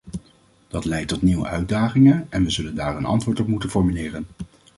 Dat leidt tot nieuwe uitdagingen en we zullen daar een antwoord op moeten formuleren.